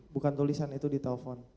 bukan tulisan itu di telepon